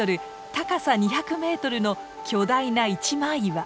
高さ２００メートルの巨大な一枚岩。